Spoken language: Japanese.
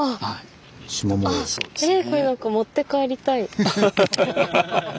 えこれなんか持って帰りたい。